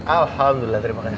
alhamdulillah terima kasih pak